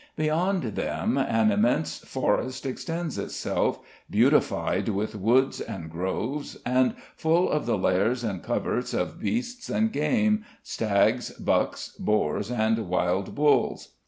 Beyond them an immense forest extends itself, beautified with woods and groves, and full of the lairs and coverts of beasts and game, stags, bucks, boars, and wild bulls."